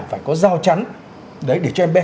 phải có dao chắn đấy để cho em bé